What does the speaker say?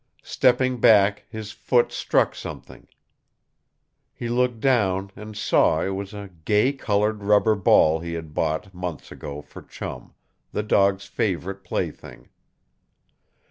Stepping back, his foot struck something. He looked down and saw it was a gay colored rubber ball he had bought, months ago, for Chum the dog's favorite plaything.